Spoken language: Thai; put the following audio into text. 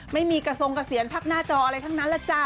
ไม่มีกระทรงเกษียณพักหน้าจออะไรทั้งนั้นแหละจ๊ะ